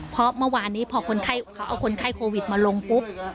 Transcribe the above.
เพราะเมื่อวานนี้พอเขาเอาคนไข้โควิดมาลงปุ๊บ